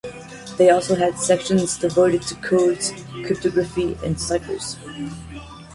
They also had sections devoted to codes, cryptography, and ciphers.